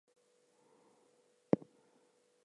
The first panel depicts a small crowd of women.